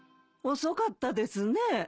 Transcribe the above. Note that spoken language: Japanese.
遅かったですね。